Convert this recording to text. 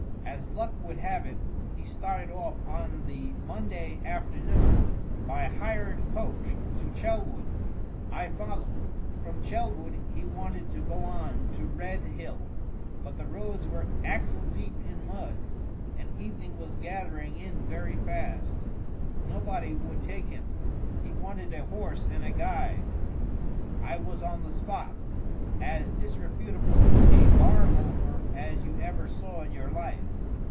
As luck would have it he started off on the Monday afternoon by hired coach to Chelwood. I followed. From Chelwood he wanted to go on to Redhill: but the roads were axle deep in mud, and evening was gathering in very fast. Nobody would take him. He wanted a horse and a guide. I was on the spot as disreputable a bar loafer as you ever saw in your life.